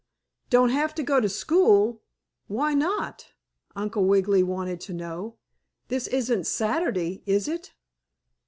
"Don't have to go to school? Why not?" Uncle Wiggily wanted to know. "This isn't Saturday, is it?"